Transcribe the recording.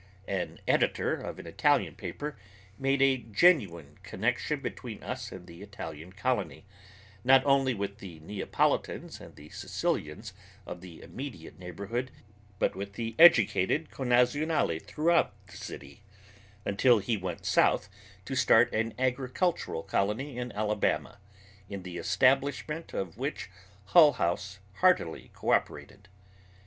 An editor of an Italian paper made a genuine connection between us and the Italian colony, not only with the Neapolitans and the Sicilians of the immediate neighborhood, but with the educated connazionali throughout the city, until he went south to start an agricultural colony in Alabama, in the establishment of which Hull House heartily cooperated.